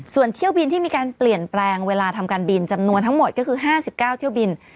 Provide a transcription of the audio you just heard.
ส่วนเที่ยวบินที่มีการเปลี่ยนแปลงเวลาทำการบินจำนวนทั้งหมดก็คือ๕๙เที่ยวบิน